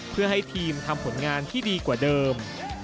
เพื่อให้ทีมทำผลงานที่ดีกว่าเดิม